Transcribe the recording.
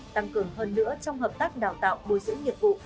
tăng cường hơn nữa trong hợp tác đào tạo bồi dưỡng nghiệp vụ